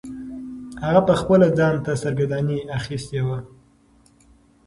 هغه پخپله ځان ته سرګرداني اخیستې وه.